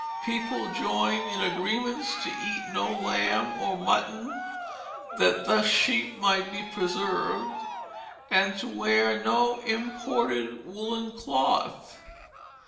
People joined in agreements to eat no lamb or mutton, that thus sheep might be preserved, and to wear no imported woollen cloth.